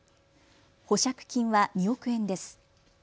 保釈金は２億円です。